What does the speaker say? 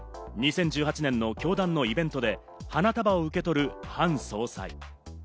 ２０１８年の教団のイベントで花束を受け取るハン総裁。